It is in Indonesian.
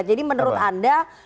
jadi menurut anda